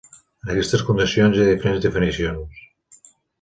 En aquestes condicions hi ha diferents definicions.